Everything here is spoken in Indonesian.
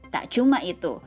tak cuma itu